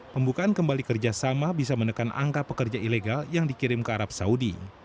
pembukaan kembali kerjasama bisa menekan angka pekerja ilegal yang dikirim ke arab saudi